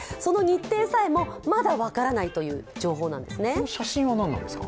この写真は何なんですか？